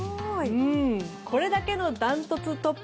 これだけのダントツトップ